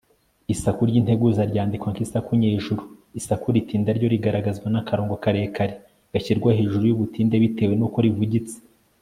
isaku ry'integuza ryandikwa nk'isaku nyejuru. isaku ritinda ryo rigaragazwa n'akarongo karekare gashyirwa hejuru y'ubutinde bitewe n'uko rivugitse